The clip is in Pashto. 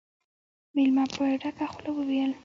مېلمه په ډکه خوله وويل: